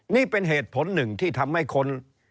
นี่เป็นเหตุผลหนึ่งที่ทำให้คน